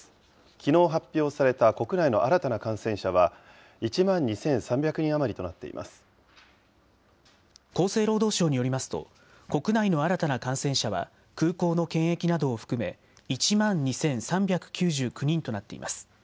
きのう発表された国内の新たな感染者は１万２３００人余りとなっ厚生労働省によりますと、国内の新たな感染者は空港の検疫などを含め、１万２３９９人となっています。